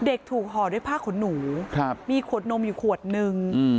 เด็กถูกห่อด้วยผ้าขนหนูครับมีขวดนมอยู่ขวดหนึ่งอืม